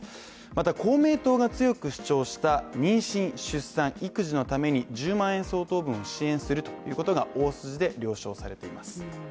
また公明党が強く主張した妊娠・出産・育児のために１０万円相当分を支援するということが大筋で了承されています。